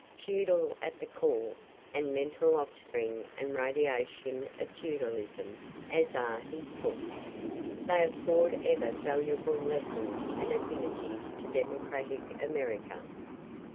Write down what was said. Feudal at the core, and mental offspring and radiation of feudalism as are his books, they afford ever valuable lessons and affinities to democratic America.